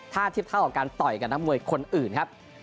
ถ้าเทียบเท่ากับการต่อยกับนักมวยคนอื่นครับ